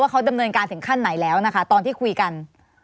เขาดำเนินการถึงขั้นไหนแล้วนะคะตอนที่คุยกัน